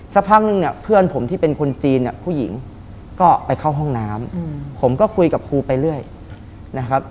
สักพักนึงเนี่ยเพื่อนผมที่เป็นคนจีนเนี่ยผู้หญิงก็ไปเข้าห้องน้ำผมก็คุยกับครูไปเรื่อยนะครับ